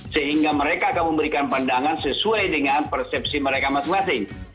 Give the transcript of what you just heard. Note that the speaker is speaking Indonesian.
sehingga mereka akan memberikan pandangan sesuai dengan persepsi mereka masing masing